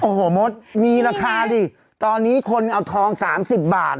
โอ้โหมดมีราคาสิตอนนี้คนเอาทอง๓๐บาท